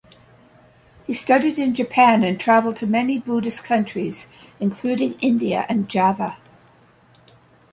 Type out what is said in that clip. He studied in Japan and traveled to many Buddhist countries including India, and Java.